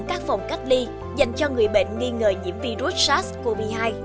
đây là một phòng cách ly dành cho người bệnh nghi ngờ nhiễm virus sars cov hai